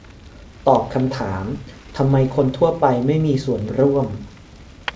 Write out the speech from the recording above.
ตอบคำถาม ทำไมคนทั่วไปไม่มีส่วนร่วม